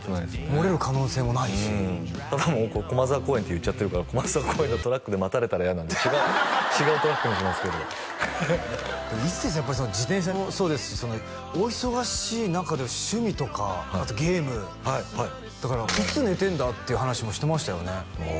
もれる可能性もないしただもう駒沢公園って言っちゃってるから駒沢公園のトラックで待たれたら嫌なんで違うトラックにしますけどでも一生さん自転車もそうですしお忙しい中で趣味とかあとゲームだからいつ寝てんだって話もしてましたよねああ